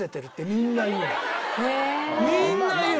みんな言うの！